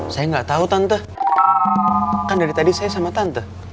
saya nggak tahu tante kan dari tadi saya sama tante